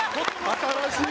新しい！